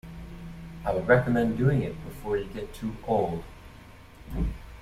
I would recommend doing it before you get too old.